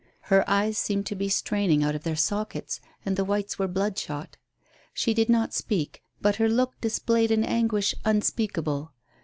Her eyes seemed to be straining out of their sockets, and the whites were bloodshot. She did not speak, but her look displayed an anguish unspeakable.